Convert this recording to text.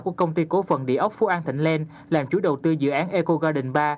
của công ty cố phần địa ốc phú an thịnh len làm chủ đầu tư dự án eco garden ba